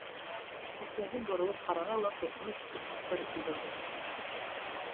Әсәһе боролоп ҡараны ла ҡурҡыныс итеп ҡысҡырып ебәрҙе: